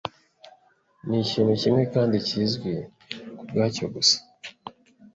ni ikintu kimwe kandi 'kizwi ubwacyo gusa